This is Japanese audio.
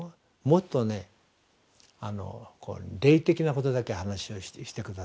「もっと霊的なことだけ話をして下さい。